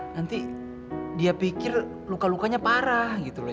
nanti dia pikir luka lukanya parah gitu loh